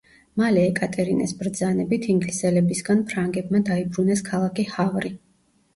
მალე ეკატერინეს ბრძანებით ინგლისელებისგან ფრანგებმა დაიბრუნეს ქალაქი ჰავრი.